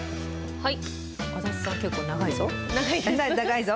はい。